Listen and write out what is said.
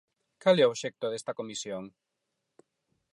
¿Cal é o obxecto desta comisión?